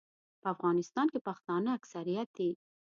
په افغانستان کې پښتانه اکثریت دي.